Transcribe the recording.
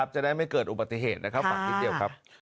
จะได้ไม่เกิดอุบัติเหตุนะครับฝากนิดเดียวครับ